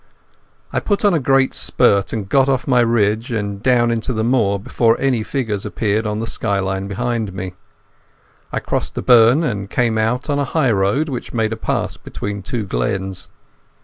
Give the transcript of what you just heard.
I put on a great spurt and got off my ridge and down into the moor before any figures appeared on the skyline behind me. I crossed a burn, and came out on a highroad which made a pass between two glens.